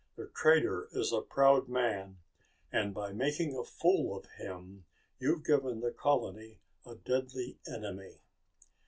The trader is a proud man and by making a fool of him you've given the colony a deadly enemy."